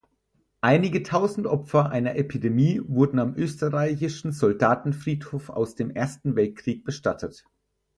Einige Tausend Opfer einer Epidemie wurden am österreichischen Soldatenfriedhof aus dem Ersten Weltkrieg bestattet.